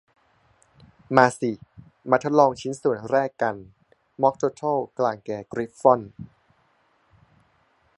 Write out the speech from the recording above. มาสิ มาทดลองชิ้นส่วนแรกกัน ม็อคเทอร์เทิลกล่างแก่กริฟฟอน